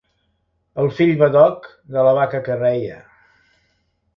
El fill badoc de la vaca que reia.